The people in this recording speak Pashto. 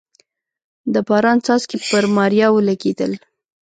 د باران څاڅکي پر ماريا ولګېدل.